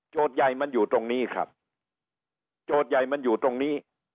ใหญ่มันอยู่ตรงนี้ครับโจทย์ใหญ่มันอยู่ตรงนี้